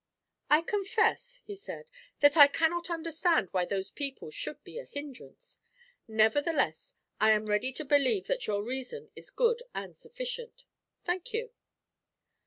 'I confess,' he said, 'that I cannot understand why those people should be a hindrance; nevertheless, I am ready to believe that your reason is good and sufficient.' 'Thank you.'